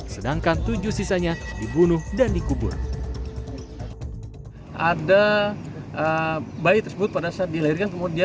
sedangkan tujuh sisanya dibunuh dan dikubur